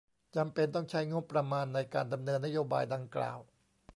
จำเป็นต้องใช้งบประมาณ ในการดำเนินนโยบายดังกล่าว